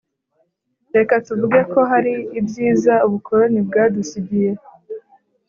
reka tuvuge ko hari ibyiza ubukoroni bwadusigiye.